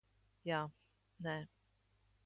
Jā. Nē.